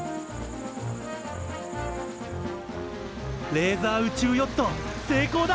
レーザー宇宙ヨット成功だ！